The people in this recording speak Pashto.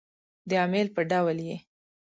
د امیل په ډول يې